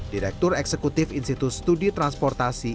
direktur eksekutif institut studi transportasi